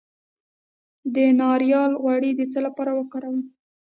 د ناریل غوړي د څه لپاره وکاروم؟